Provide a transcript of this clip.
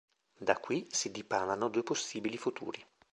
Da qui si dipanano due possibili futuri.